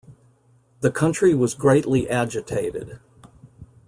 The country was greatly agitated.